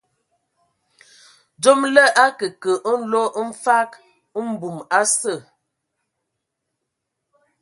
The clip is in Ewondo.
Dzom lə akǝkǝ nlo mfag mbum a sə.